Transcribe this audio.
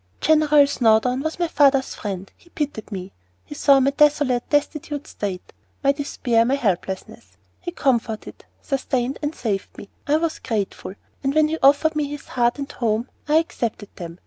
"General Snowdon was my father's friend; he pitied me; he saw my desolate, destitute state, my despair and helplessness. He comforted, sustained, and saved me. I was grateful; and when he offered me his heart and home, I accepted them.